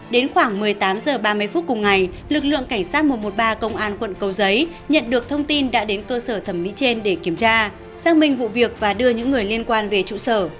đến khoảng một mươi tám h ba mươi phút cùng ngày lực lượng cảnh sát một trăm một mươi ba công an quận cầu giấy nhận được thông tin đã đến cơ sở thẩm mỹ trên để kiểm tra xác minh vụ việc và đưa những người liên quan về trụ sở